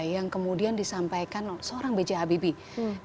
yang kemudian disampaikan seorang b j habibie